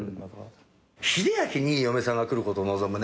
英明に嫁さんが来ることを望むね。